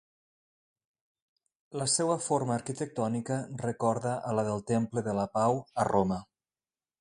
La seua forma arquitectònica recorda a la del Temple de la Pau a Roma.